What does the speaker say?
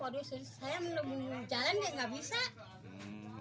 padahal saya menemukan jalan enggak bisa